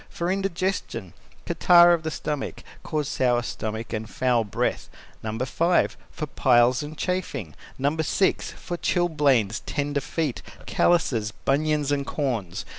For indigestion (catarrh of the stomach) cause sour stomach and foul breath. No. 5. For piles and chafing. No. 6. For Chilblains, tender feet, callouses, bunions, and corns.